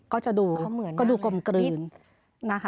ก็จะดูกลมกลืน